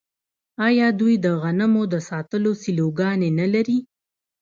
آیا دوی د غنمو د ساتلو سیلوګانې نلري؟